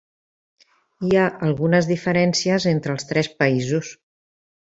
Hi ha algunes diferències entre els tres països.